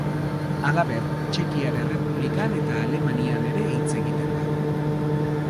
Halaber, Txekiar Errepublikan eta Alemanian ere hitz egiten da.